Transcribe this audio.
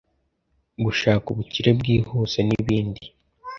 gushaka ubukire bwihuse n’ibindi.